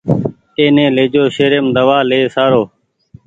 ايني ليجو شهريم دوآ لي سآرون